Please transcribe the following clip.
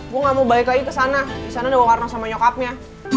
gua nggak mau balik lagi ke sana di sana ada warno sama nyokapnya